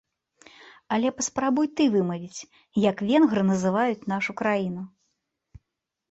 Але паспрабуй ты вымавіць, як венгры называюць нашую краіну!